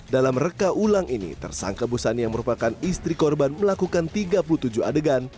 dalam reka ulang ini tersangka busani yang merupakan istri korban melakukan tiga puluh tujuh adegan